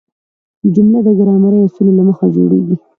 جمله د ګرامري اصولو له مخه جوړیږي.